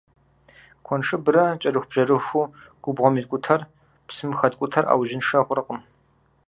Куэншыбрэ кӏэрыхубжьэрыхуу губгъуэм иткӏутэр, псым хэткӏутэр ӏэужьыншэ хъуркъым.